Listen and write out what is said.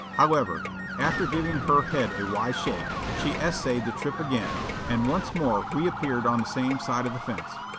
How ever, after giving her head a wise shake, she essayed the trip again and once more reappeared on the same side of the fence.